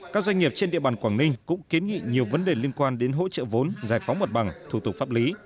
các doanh nghiệp trên địa bàn quảng ninh cũng kiến nghị nhiều vấn đề liên quan đến hỗ trợ vốn giải phóng mặt bằng thủ tục pháp lý